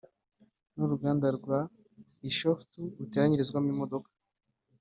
n’uruganda rwa Bishoftu ruteranyirizwamo imodoka